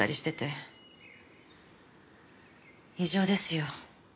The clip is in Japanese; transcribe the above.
異常ですよ。